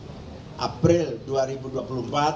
pkb membuka peluang kepada semua masyarakat